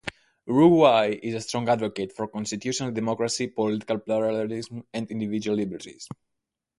Uruguay is a strong advocate of constitutional democracy, political pluralism, and individual liberties.